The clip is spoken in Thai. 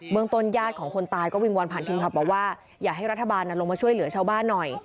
เมืองต้นญาติของคนตายก็วิงวอนผ่านทีมข่าวบอกว่าอยากให้รัฐบาลลงมาช่วยเหลือชาวบ้านหน่อย